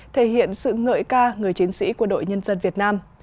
thể hiện sự ngợi ca người chiến sĩ của đội nhân dân việt nam